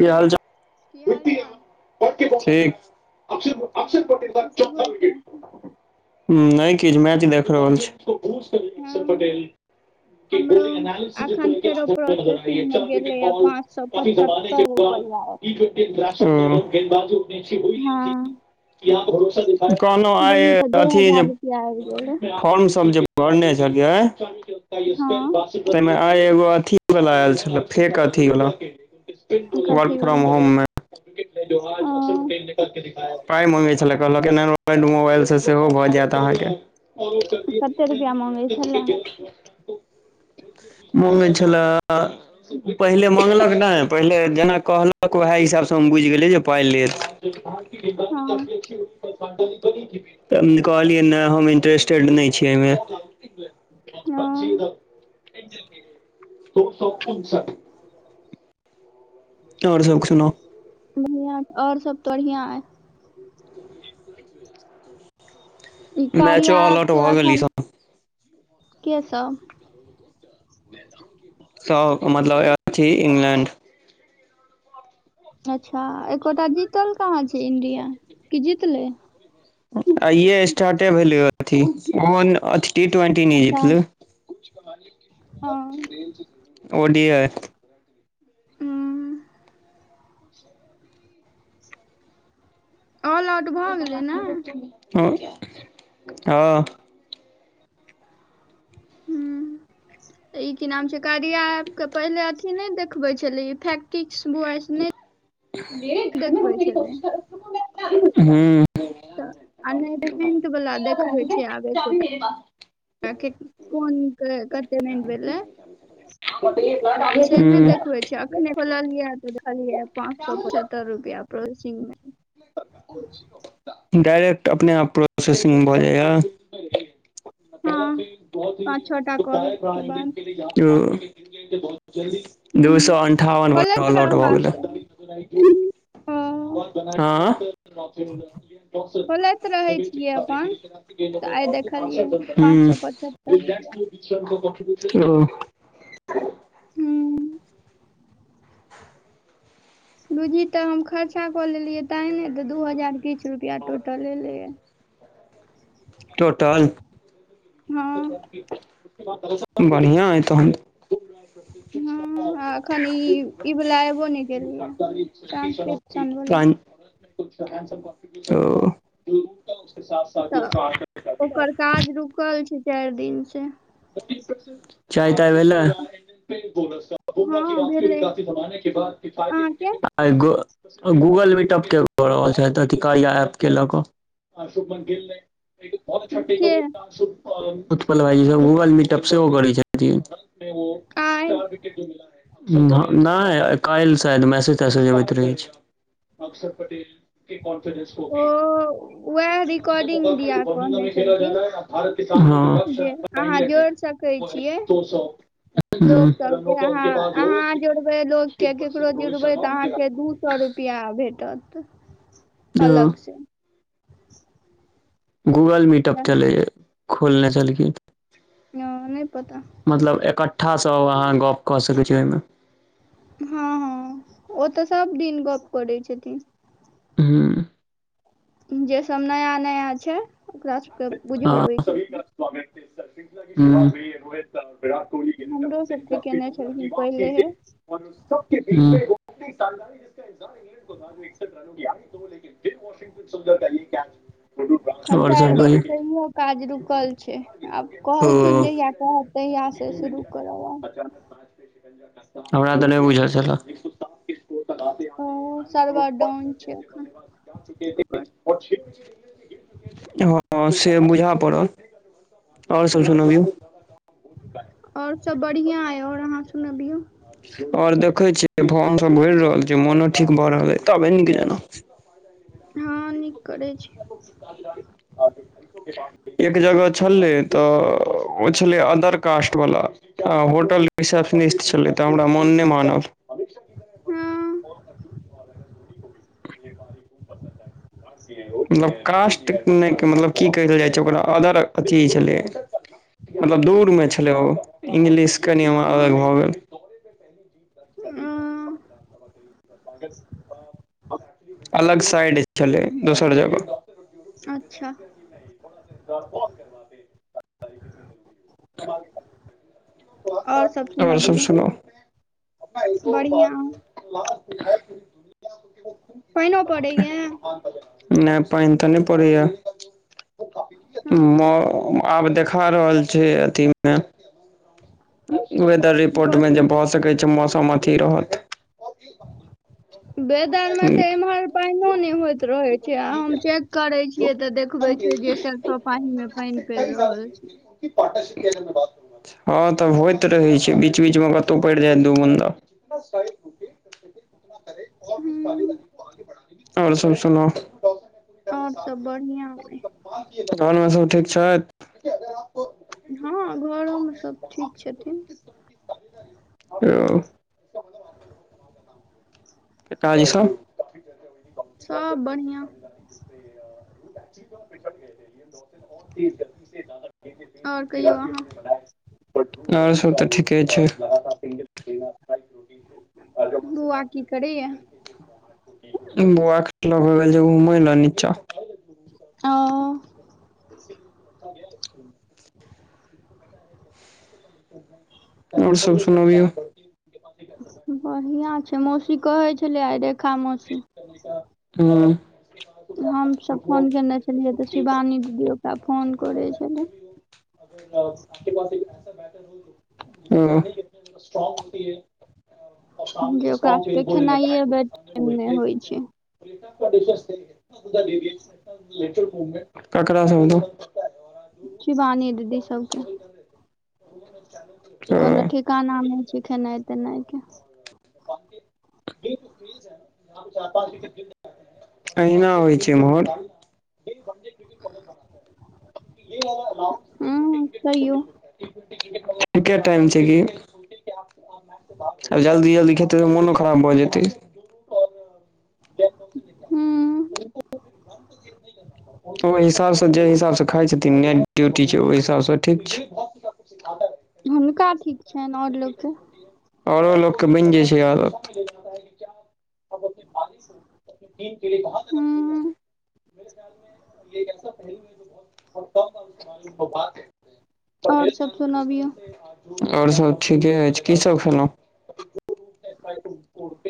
की हाल की चाल हाल चाल ठीक हँ की सब होइ छै नहि कीछ मैच देख रहल छि अक्षर हँ, पटेल हमरो बोलंग अखन फेरो तर नजर प्रोसेसिंग आइए मे चार विकेट गेलैया बॉल पाँच सौ काफी जमाने के पचहत्तर बाद रुपैया [unintelligible] टी ट्वेंटी इंटरनैशनल हं में वो गेंदबाजों ने वो [unintelligible] माॅ कहनौ आइ बुझी तऽ दू अथि जे हजार रुपआ आबि गेलै फॉर्म सब जे भरने छलियै हँ तैमे आ एगो अथी वाला आयल छलै फेक अथीवाला वर्क कथी फ्रॉम भेलै होम मे हँ पाइ मंगैत छलै कहलक एंड्रॉइड मोबाइलसँ सेहो भऽ जायत अहाँके कते रुपैआ माँंगै छलै माँगै छले पहिले माँगलक नहि पहिले जेना कहलक उएह हिसाबसँ हम बुझि गेलिये जे पाइ लेत [inaudible] हँ तऽ हम कहलियै ने हम इंटरेस्टेड नहि छियै एहिमे हँ [unintelligible] और सब सुनाउ बढ़ियां और सब त बढ़ियां अय ई मैचो कार्या ऑल ऐप आउट के भऽ गेल ई अखन सब के सब सब मतलब [unintelligible] इंग्लैंड अच्छा एकोटा जीतल कहाँ छै इंडिया की जीतले आइ स्टार्टे भेल अथी टी ट्वेंटी अच्छा जतले हँ ओडी यै उूँ ऑल आउट भऽ गेलै ने ह हँ [unintelligible] हूँ [inaudible] ई की नाम छै कारिया एप के पहिले अथी ने देखबे छले इ फैक्टिक [unintelligible] अ्म हं तऽ आ नहि देख [unintelligible] तऽ बला देखबै छी आब एकोटा के कोन कते रन भेलै से नहि हूं देखबै [unintelligible] खोललियै तऽ देखलिय पाँंच सए पचहत्तर रुपआ पड़ोसिंग में [unintelligible] डायरेक्ट अपने आप प्रोसेसिंग भऽ जाए य हँ पाँच छौ टा ओ कॉल के बाद दू हूँ सए अन्ठावन [unintelligible] खोलैत ऑल आउट भऽ रहबाक चाही गेलै हँ आ खोलैत रहै छियै अपन तऽ [inaudible] आइ देखलियै पाँच सए पचहत्तर रुपआ ओ [inaudible] हूँ बुजी तऽ हम [unintelligible] अच्छा कऽ लेलियै तै ने तऽ दू-दू हजार किछ रुपैआ टोटल एलैए टोटल हँ बढ़िया अइ तहन त हँ आ एखन ई ई वला एबो नहि केलैये ट्रांसक्रिप्शन वला प [inaudible] तऽ प ओ ओकर काज रुकल छै चारि दिन से चाय ताय भेलै बूमराह हँ की वापसी हुई भेलै काफी जमानेके बाद किफायती विकेट अहाँके भी मिला आइ गू गूगल मीटप के कऽ रहल छथि अथी कार्या एप्प के लऽ कऽ अ शुभमन खेलने के उत्पल भाईजी सब गूगल मीटप सेहो करै छै जी शुरुआत में वो आइ चार विकेट जो मिला है नहि काल्हि शायद मैसेज तैसेज अबैत रहै छै के कॉन्फिडेस ओ वएह रिकॉर्डिंग दिया कहने कोॉर्ंगमे खेल जाा छलखिन ह जे [inaudible] हँ अहाँ जोड़ि सकै छियै लोकसभके अहाँ अहाँ जोड़बै लोकके केकरो जोड़बै तऽ अहाँके दू दु सौ रुपआ भेटत अलग से गूगल मीटप चलैयै खोलने छलकिन ह नहि पता मतलब एकठ्ठासँ अहाँ गप कऽ सकैत छी ओहिमे हँ हँ ओ तऽ सब दिन गप करै छथिन हँ जे सभ नया नया छै ओकरा सभके बुझबैत छथिन [inaudible] हम्म हमरो सबके केने छलखिन पहिलेहे [unintelligible] ह्म्म [unintelligible] चार दिन से इहो काज रूकल छै आब कहलखिन ओ। जहिया कहब तहिया से शुरू करब हम हमरा तऽ नहि बूझल छल ओ सरबर डाउन छै एखन ओकर [inaudible] हँ से बुझा पड़त हँ आओर सब बढ़िआ य आओर अहाँ सुनबियौ आओर देखै छियै फोन सऽ भड़ि रहल छै मोनो ठीक भऽ रहलै तबे नीक जना हँ नीक करै छी [unintelligible] एक जगह छलै तऽ ओ छलै अदर कास्ट वाला आ होटल रिसेप्शनिस्ट छलै त हमरा मोन नै मानल हँ [inaudible] मतलब कास्ट नहि मतलब की कहल जाइ छै ओकरा अदर अथी छलै मतलब दूरमे छलै ओ इंग्लिश कनि हमरा अलग भऽ गेल आं अलग साइड छलै दोसर जगह अच्छा [unintelligible] और सब सुनाउ बढ़िया पाइनो परैय नहि पानि तऽ नहि पड़ैया हँ आब देखा रहल छै अथी मे वेदर रिपोर्ट मे कथी जे भऽ सकैत छै मौसम अथी रहत वेदर ठीक इम्हर पाइनो नै होयत रहे छै आ हम चेक करे छियै तऽ देखबे छै जे सरसो पाहि मे पानि पड़ रहल छै [unintelligible] हँ तऽ होइत रहै छै बीच बीचमे कतहु पड़ि जायत दू बून्दा [unintelligible] हूँ आओर सब सुना आओर सब बढ़िआँ अइ घरमे सभ ठीक छथि हँ घरोमे सभ ठीक छथिन ओ [inaudible] ऐतै ई सब सब बढ़िआ आओर कहियौ अहाँ [unintelligible] और सब तऽ ठीके छै बौआकी करे य बौआ हो गेल घुमे ल नीचा [unintelligible] अं [unintelligible] [unintelligible] आओर सब सुनबियौ बढ़िआं छै मौसी कहै छलै आइ रेखा मौसी ह्म हमसभ फोन केने छलियै तऽ शिवानी दीदी ओकरा फोन करै छलै ओ ब [unintelligible] ओ जे ओकरा सबके ्रने खेनाइये बेड टाइम मे होइ खेल छै सकतै [inaudible] ककरा [unintelligible] शिवानी दीदी सबके [unintelligible] कोनो ठिकाना नहि छै खेनाई तेनाईके [unintelligible] [inaudible] अहिना होइ छै ईमहर तन [unintelligible] ह्म कहियो [unintelligible] ठीके टाईम छै कि ब [unintelligible] आ जल्दी जल्दी खेते त मनो खराब भऽ जेतै हं ओहि हिसाबसँ जेहि हिसाबसँ खाई छथिन नेट ड्यूटी छै ओहि हिसाबसँ ठीक छै [unintelligible] हुनका ठीक छनि आऔर लोकोके औरो लोकके बनि जाइ छै आदत हूँ य ऐसा पहलू ह जो बहुत प कहाल बात ह [unintelligible] आओर सब सुनबियौ आओर सभ ठीके अछि कीसभ खेलहुँ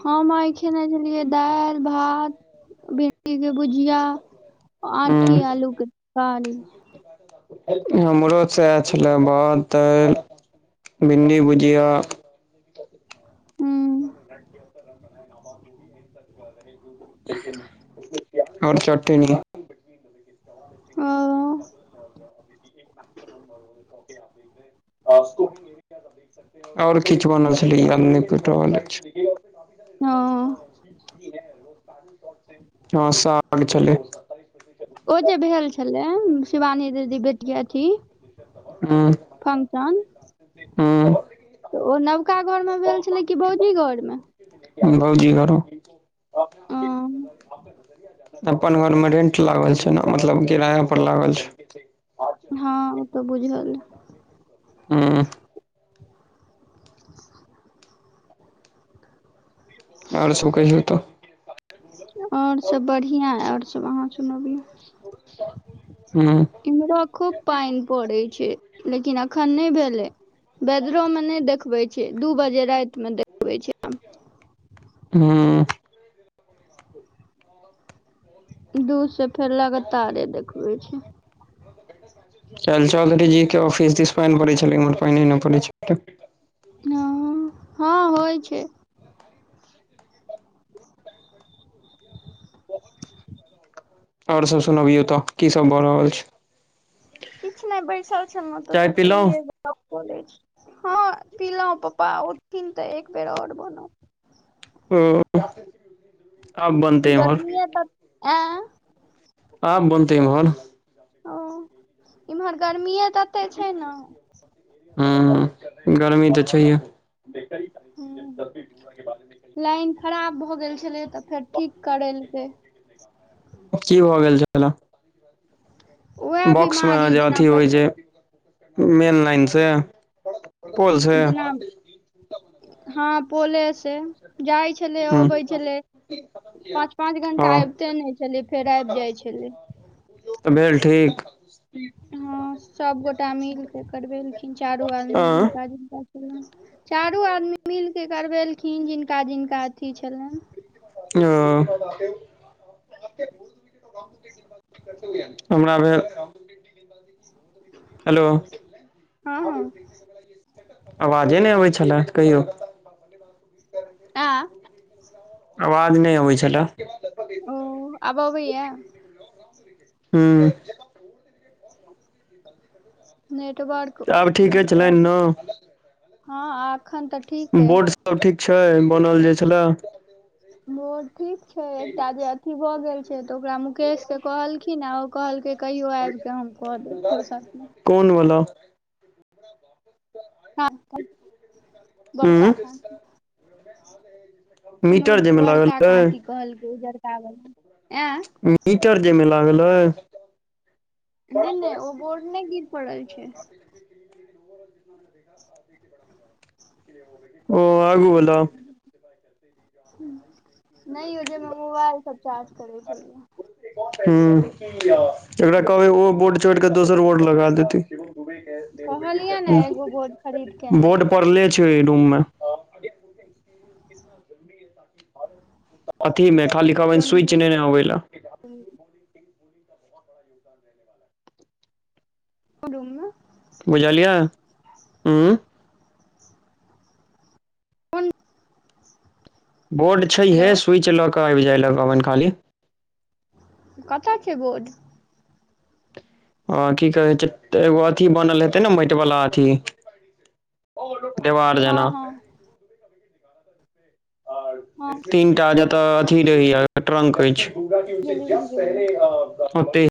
ह आई खेने छलियै दालि भात भिंड ठीके भुजिया आठी आलू तरकारी [unintelligible] हमरो सएह छलै भात दाइल भिंडी के भुजिया हूँ आओर चटीनग [unintelligible] अं [unintelligible] आओर किछु बनल छलै पट हँ हँ स [unintelligible] छल ओ जे भेल छले शिवानी दीदी बेटिया अथी हँ फंक्शन तऽ ओ नवका घरमे भेल छलै कि भौजी घरमे भौजी हौ अ [unintelligible] अपन घर मे रेंट लागल छै ने मतलब किराया पर लागल छै हँ ओ तऽ बुझलियै [inaudible] हूंम्म आओर सब कहियौ तऽ आओर सब बढ़िआँ आओर सब अहाँ सुनबियौ हूंम्म इम्हरो खूब पानि पड़े छै लेकिन अखन नहि भेलै बेदरो मे नहि देखबे छै दू बजे राति मे देखबे छै हूंम्म दू से फेर लगातारे देखबै छै [inaudible] चाल चौधरी जी के ऑफिस दिस पानि पड़ै छलै इम्हर पानि नहि पड़ै छल हँ होइ छै आर सब सुनबियौ तऽ की सब भऽ रहल छै किछु नहि बैसल छेलौं तऽ चाय पिलौं सोचलियै जे हँ पिलहुँ पप्पा उठथिन तऽ एक बेर आओर बनत। ओ [inaudible] आब बनतै इम्हर गर्मीये तऽ य आब बनतेै मोहन। हूॅं, इम्हर गर्मीेये तत्ते छै ने! हॅं, गर्मी तऽ छैहे! हॅं, लाइन खराब भऽ गेल छलै तऽ फेर ठीक करेलकै। की भऽ गेल छलै? उएह बॉक्समे बिमारी जे जेना अथि होइ छै मेन लाइन से, पोल से? जेना हँ पोलेसँ, जाइ छलै हूं अबै छलै पाँच पाँच घंटा हँ अबिते नहि छलै, फेर आबि जाइ छलै तऽ भेल ठीक? हँ सबगोटा मिलके करबेलखिन चारू आदमी आँ जिनका-जिनका छलनिहे चारू आदमी मिलके करबेलखिन जिनका जिनका अथी छलैन्हि ओ हमरा भेल हेलो हँ हँ आवाजे नहि अबै छलै, कहियौ ऐं आवाज नहि अबै छलए ओ, आब अबैए? हँ नेटवर्क आब ठीक कोनो अछि लाइन प्रॉब्लम ने? हँ एखन तऽ ठीक अइ बोर्ड सब ठीक छै बनल जे छलै? बोर्ड ठीक छै एकटा जे अथी भऽ गेल छै, तऽ ओकरा मुकेश के कहलखिनए कहलकै कहियो आबिकऽ हम कऽ देब फुरसतमे कोन वला? हॅं, बड़का भाइ उंम्म मीटर जाहिमे लागल रहै? कहलक उजरका वला, ऐं मीटर जाहिमे लागल एहि नहि नहि, ओ बोर्ड नहि गिर पड़ल छै ओ आगू वला नहि यो जाइमे मोबाइल सब चार्ज करबै छलियै हूं एकरा छलियै कहबै ओ बोड छोड़ क दोसर वोट लगा देतय कहलियनए ने एगो बोर्ड खरीदके आइन बोर्ड दे पड़ले छै रूम मे अथि मे खालि कहबैन सुइच नेने अबय लै हू [inaudible] [inaudible] रहने वालाै [inaudible] [unintelligible] बूम [inaudible] [inaudible] बुझलियिअ ऊ कोन बोर्ड हेलो छैहे स्विच लऽ कऽ आबि जाय ल कहबैन खाली कत छै बोर्ड ह की कहै छै एगो अथी बनल हेतै ने मैट वला अथी देवार हँ जेना हँ हँ तीनटा जतऽ अथी रहैया ट्रंक अछि उे बुझि जब गेलियै पहिेे [inaudible] [inaudible]